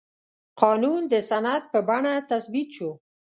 قانون د سند په بڼه تثبیت شو.